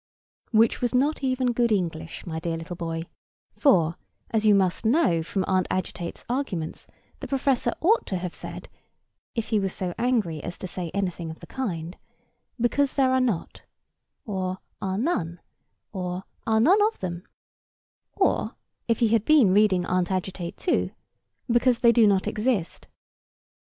Which was not even good English, my dear little boy; for, as you must know from Aunt Agitate's Arguments, the professor ought to have said, if he was so angry as to say anything of the kind—Because there are not: or are none: or are none of them; or (if he had been reading Aunt Agitate too) because they do not exist.